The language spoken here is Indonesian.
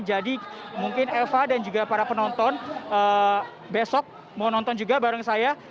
jadi mungkin eva dan juga para penonton besok mau nonton juga bareng saya